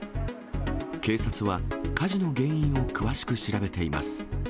警察は、火事の原因を詳しく調べています。